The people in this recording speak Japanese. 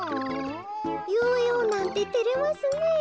ヨーヨーなんててれますねえ。